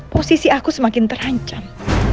posisi aku semakin terancam